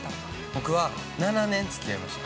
◆僕は、７年つき合いました。